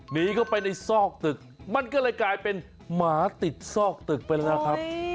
หนีเข้าไปในซอกตึกมันก็เลยกลายเป็นหมาติดซอกตึกไปแล้วครับ